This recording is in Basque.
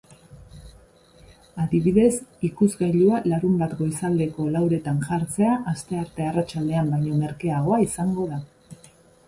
Adibidez, ikuzgailua larunbat goizaldeko lauretan jartzea astearte arratsaldean baino merkeagoa izango da.